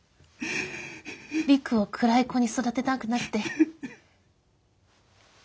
璃久を暗い子に育てたくなくて。